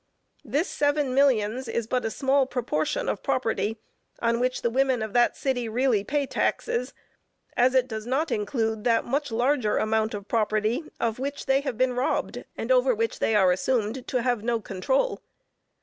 This seven millions is but a small proportion of property on which the women of that city really pay taxes, as it does not include that much larger amount of property of which they have been robbed, and over which they are assumed to have no control.